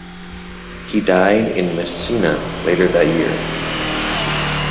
He died in Messina later that year.